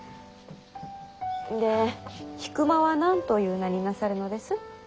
で引間は何と言う名になさるのです？